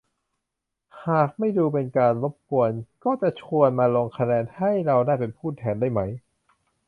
หากไม่ดูเป็นการรบกวน ก็จะชวนมาลงคะแนน ให้เราได้เป็นผู้แทนได้ไหม